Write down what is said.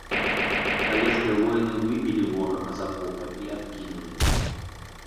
Савецкія воіны выбілі ворага з акопа і адкінулі.